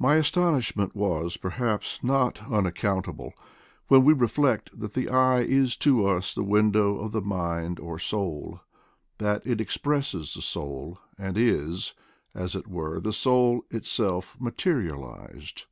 My astonish ment was, perhaps, not unaccountable, when we reflect that the eye is to us the window of the mind or soul, that it expresses the soul, and is, as it were, the soul itself materialized.